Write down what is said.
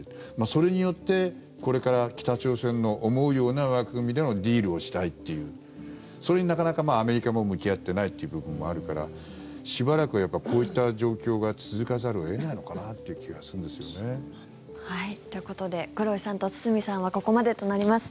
それによって、これから北朝鮮の思うような枠組みでのディールをしたいっていうそれになかなか、アメリカも向き合っていないという部分もあるからしばらくはこういった状況が続かざるを得ないのかなっていう気がするんですよね。ということで黒井さんと堤さんはここまでとなります。